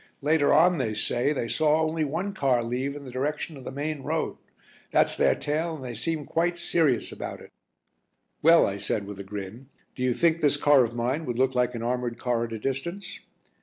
Later on they say they saw only one car leave in the direction of the main road. That's their tale and they seem quite serious about it." "Well," I said, with a grin, "do you think this car of mine would look like an armoured car at a distance?"